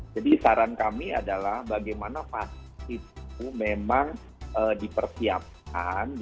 jadi saran kami adalah bagaimana vaksin itu memang dipersiapkan